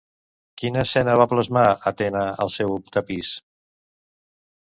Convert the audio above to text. Quina escena va plasmar Atena al seu tapís?